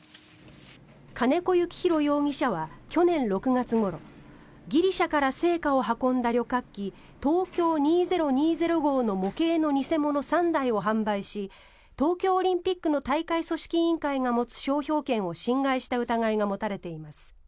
金子幸広容疑者は去年６月ごろギリシャから聖火を運んだ旅客機ＴＯＫＹＯ２０２０号の模型の偽物３台を販売し東京オリンピックの大会組織委員会が持つ商標権を侵害した疑いが持たれています。